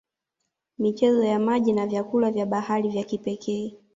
Michezo ya maji na vyakula vya bahari vya kipekee